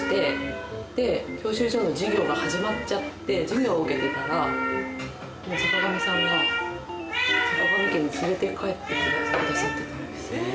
で教習所の授業が始まっちゃって授業を受けてたらもう坂上さんがさかがみ家に連れて帰ってくださってたんです。